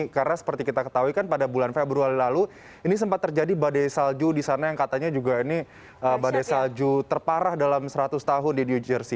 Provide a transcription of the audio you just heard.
karena seperti kita ketahui kan pada bulan februari lalu ini sempat terjadi badai salju di sana yang katanya juga ini badai salju terparah dalam seratus tahun di new jersey